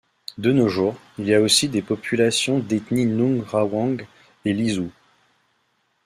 De nos jours, il y a aussi des populations d'ethnies Nung Rawang et Lisu.